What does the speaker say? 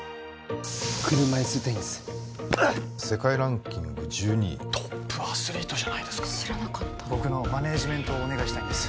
車いすテニス世界ランキング１２位トップアスリートじゃないですか知らなかった僕のマネージメントをお願いしたいんです